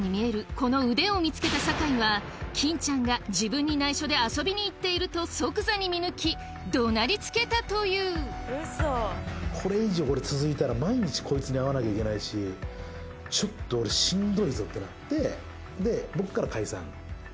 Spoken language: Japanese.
この腕を見つけた坂井は金ちゃんが自分に内緒で遊びに行っていると即座に見抜き怒鳴りつけたというこれ以上これ続いたら毎日こいつに会わなきゃいけないしちょっと俺しんどいぞってなって。